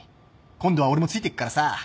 今度は俺もついてくからさ。